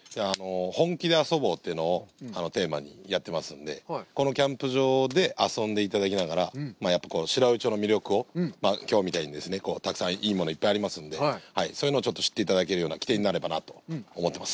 「本気で、遊ぼう。」というのをテーマにやってますんで、このキャンプ場で遊んでいただきながら、やっぱりこの白老町の魅力を、きょうみたいにですね、たくさんいいものがいっぱいありますんで、そういうのをちょっと知っていただけるような起点になればなと思ってます。